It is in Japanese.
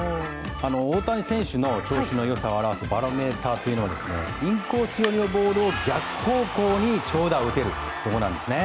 大谷選手の調子の良さを表すバロメーターはインコース寄りのボールを逆方向に長打を打てるところなんですね。